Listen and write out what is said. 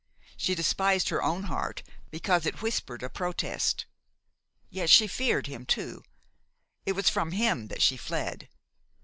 She despised her own heart because it whispered a protest. Yet she feared him too. It was from him that she fled.